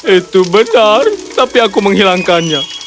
itu benar tapi aku menghilangkannya